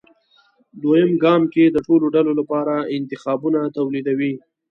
دویم ګام کې د ټولو ډلو لپاره انتخابونه توليدوي.